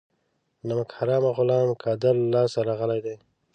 نمک حرامه غلام قادر له لاسه راغلي دي.